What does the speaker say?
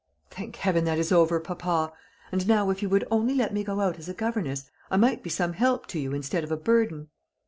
"Thank heaven that is over, papa! And now, if you would only let me go out as a governess, I might be some help to you instead of a burden."